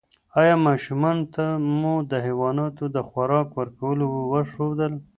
ایا ماشومانو ته مو د حیواناتو د خوراک ورکولو وښودل؟